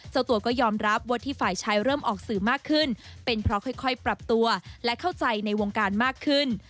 เจ้าตัวก็ยอมรับว่าที่ฝ่ายชายเริ่มออกสื่อมากขึ้นเป็นเพราะค่อยปรับตัวและเข้าใจในวงการมากขึ้น